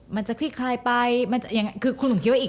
มันจะคลิกคลายไปคุณหนุ่มคิดว่าอีกนานนะ